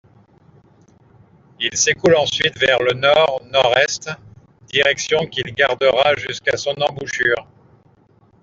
Il s'écoule ensuite vers le nord-nord-est, direction qu'il gardera jusqu'à son embouchure.